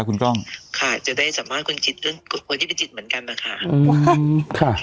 คุณกล้องค่ะจะได้สัมภาษณ์คุณจิตเรื่องคนที่เป็นจิตเหมือนกันนะคะ